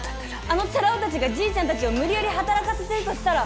あのチャラ男たちがじいちゃんたちを無理やり働かせてるとしたら。